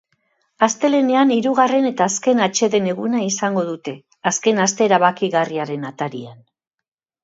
Astelehenean hirugarren eta azken atseden-eguna izango dute, azken aste erabakigarriaren atarian.